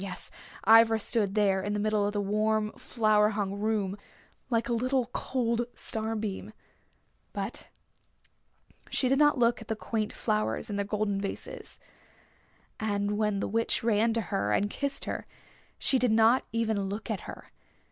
Yes, Ivra stood there in the middle of the warm, flower hung room, like a little cold star beam. But she did not look at the quaint flowers in their golden vases. And when the Witch ran to her and kissed her she did not even look at her.